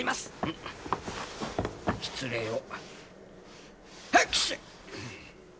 ん失礼を。